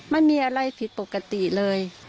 ไม่มีอะไรผิดปกติเลย